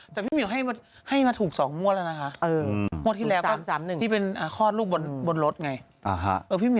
แต่พี่มีวให้มาถูก๒มัวแล้วนะฮะที่เป็นข้อลูกบนรถไง